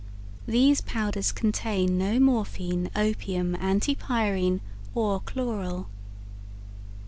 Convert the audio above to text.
These powders contain no Morphine, Opium, Anti pyrine or chloral.